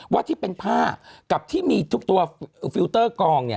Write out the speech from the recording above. ว่าที่เป็นผ้ากับที่มีทุกตัวฟิลเตอร์กองเนี่ย